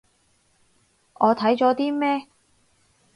我睇咗啲咩